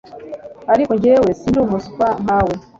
ariko njye sindi umuswa nkawe